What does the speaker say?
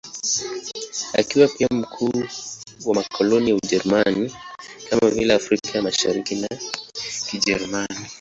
Akiwa pia mkuu wa makoloni ya Ujerumani, kama vile Afrika ya Mashariki ya Kijerumani.